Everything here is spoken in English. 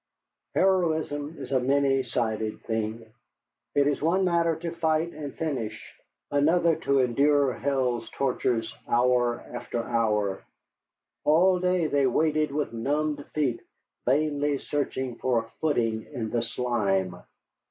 Heroism is a many sided thing. It is one matter to fight and finish, another to endure hell's tortures hour after hour. All day they waded with numbed feet vainly searching for a footing in the slime.